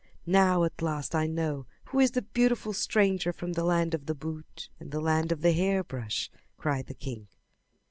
"Now at last I know who is the beautiful stranger from the land of the boot and the land of the hairbrush!" cried the king.